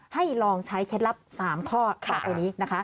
ให้ลองใช้เคล็ดลับ๓ข้อฝากตัวนี้นะคะ